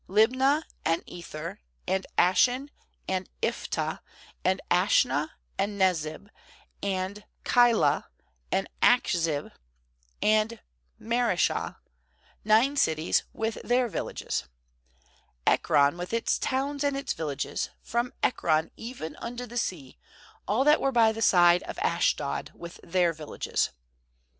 ^Libnah, and Ether, and Ashan; ^nd Iphtah, and Ashnah, and Nezib; and Keilah, and Achzib, and Mare shah; nine cities with their villages. ^Ekron, with its towns and its vil lages; 4efrom Ekron even unto the sea, all that were by the side of Ashdod, with their villages.